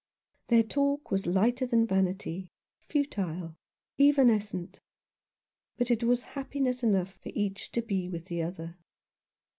Their talk was lighter than vanity, futile, evanescent ; but it was happiness enough for each to be with the other.